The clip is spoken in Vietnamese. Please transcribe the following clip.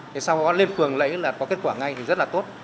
thì sau đó lên phường lấy là có kết quả ngay thì rất là tốt